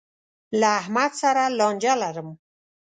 له احمد سره لانجه لرم.